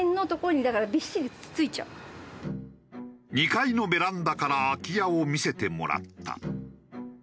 ２階のベランダから空き家を見せてもらった。